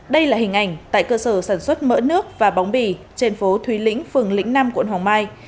đây là hình ảnh tại cơ sở sản xuất mỡ nước và bóng bì trên phố thùy lĩnh phường lĩnh nam quận hoàng mai